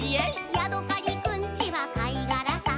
「ヤドカリくんちはかいがらさ」